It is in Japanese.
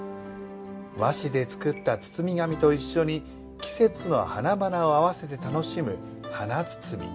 和紙で作った包み紙と一緒に季節の花々を合わせて楽しむ華包。